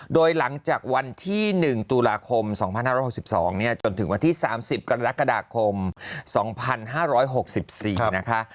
โดยหลังจากวันที่๑ตุลาคม๒๕๖๒จนถึงวันที่๓๐กรกฎาคม๒๕๖๔นะคะ